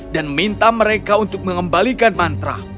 dan minta mereka untuk mengembalikan mantra